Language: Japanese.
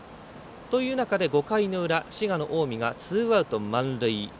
という中で、５回の裏滋賀の近江がツーアウト、満塁。